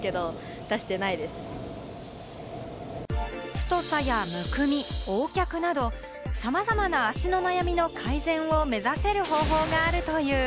太さやむくみ、Ｏ脚など、さまざまな脚の悩みの改善を目指せる方法があるという。